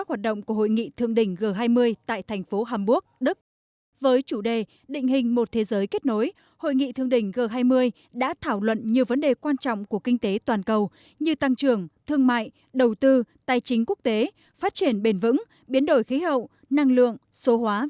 hãy đăng ký kênh để nhận thông tin nhất